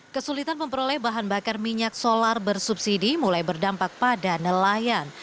kesulitan memperoleh bahan bakar minyak solar bersubsidi mulai berdampak pada nelayan